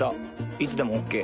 いつでもオッケー。